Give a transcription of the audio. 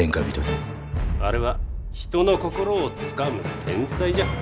あれは人の心をつかむ天才じゃ。